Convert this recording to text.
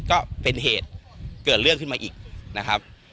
ก็เป็นเหตุเกิดเรื่องขึ้นมาอีกนะครับ